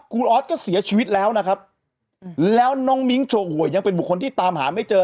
ออสก็เสียชีวิตแล้วนะครับแล้วน้องมิ้งโชว์หวยยังเป็นบุคคลที่ตามหาไม่เจอ